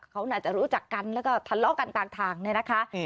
เขาน่าจะรู้จักกันแล้วก็ทะเลาะกันต่างนะคะ